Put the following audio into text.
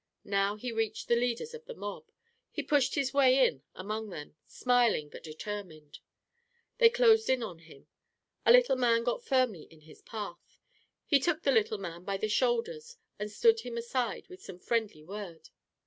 Now he reached the leaders of the mob. He pushed his way in among them, smiling but determined. They closed in on him. A little man got firmly in his path. He took the little man by the shoulders and stood him aside with some friendly word.